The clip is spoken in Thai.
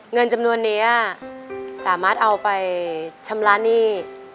เงินจำนวนนี้สามารถเอาไปชำระหนี้